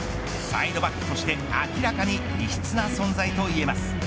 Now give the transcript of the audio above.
サイドバックとして明らかに異質な存在といえます。